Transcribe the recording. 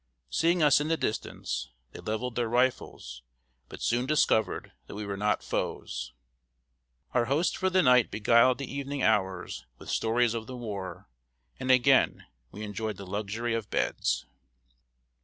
Seeing us in the distance, they leveled their rifles, but soon discovered that we were not foes. Our host for the night beguiled the evening hours with stories of the war; and again we enjoyed the luxury of beds.